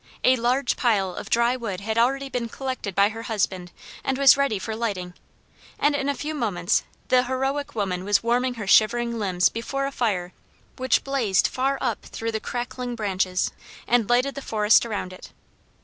A large pile of dry wood had already been collected by her husband and was ready for lighting, and in a few moments the heroic woman was warming her shivering limbs before a fire which blazed far up through the crackling branches and lighted the forest around it.